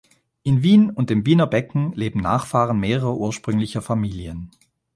In Wien und dem Wiener Becken leben Nachfahren mehrerer ursprünglicher Familien.